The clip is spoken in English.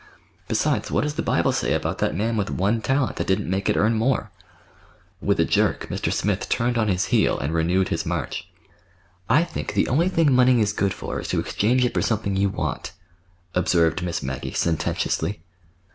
Besides, what does the Bible say about that man with one talent that didn't make it earn more?" With a jerk Mr. Smith turned on his heel and renewed his march. "I think the only thing money is good for is to exchange it for something you want," observed Miss Maggie sententiously.